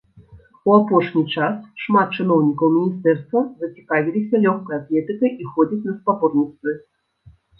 У апошні час шмат чыноўнікаў міністэрства зацікавіліся лёгкай атлетыкай і ходзяць на спаборніцтвы.